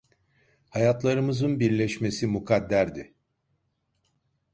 Hayatlarımızın birleşmesi mukadderdi.